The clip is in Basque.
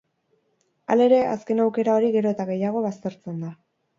Halere, azken aukera hori gero eta gehiago baztertzen da.